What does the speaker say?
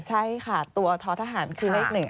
ใช่ค่ะตัวท้อทหารคือเลข๑